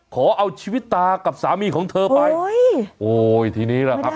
ขอเอาชีวิตตากับสามีของเธอไปโอ้ยทีนี้แหละครับ